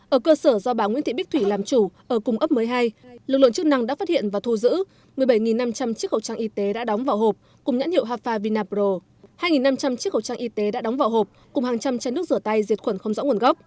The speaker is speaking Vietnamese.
ở cơ sở do bà nguyễn thị bích thủy làm chủ ở cùng ấp một mươi hai lực lượng chức năng đã phát hiện và thu giữ một mươi bảy năm trăm linh chiếc khẩu trang y tế đã đóng vỏ hộp cùng nhãn hiệu hafa vinapro hai năm trăm linh chiếc khẩu trang y tế đã đóng vỏ hộp cùng hàng trăm chai nước rửa tay diệt khuẩn không rõ nguồn gốc